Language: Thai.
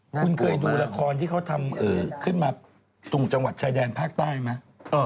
คุณเคยดูละครที่เขาทำขึ้นมาตรงจังหวัดชายแดนภาคใต้ไหม